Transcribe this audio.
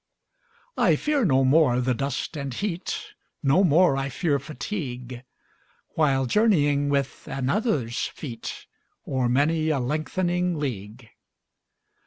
I fear no more the dust and heat, 25 No more I fear fatigue, While journeying with another's feet O'er many a lengthening league.